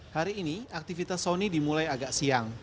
hari ini aktivitas sony dimulai agak siang